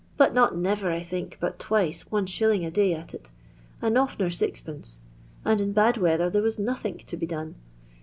but not nerer I think but twice 1#. a day at it, and oftener 6</., and in bad weather there was nothink to be done.